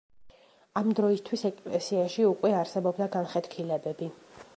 ამ დროისთვის ეკლესიაში უკვე არსებობდა განხეთქილებები.